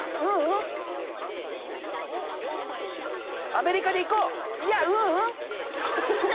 アメリカでいこう！